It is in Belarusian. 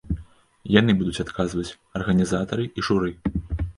Яны будуць адказваць, арганізатары і журы.